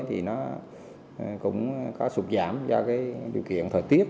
thì nó cũng có sụt giảm do cái điều kiện thời tiết